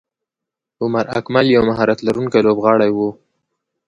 عمر اکمل یو مهارت لرونکی لوبغاړی وو.